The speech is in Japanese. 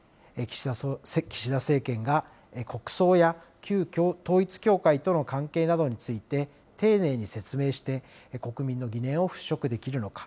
岸田政権が、国葬や旧統一教会との関係などについて、丁寧に説明して、国民の疑念を払拭できるのか。